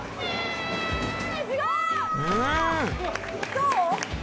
どう？